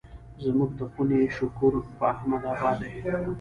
زموږ د خونې شکور په احمد اباد دی.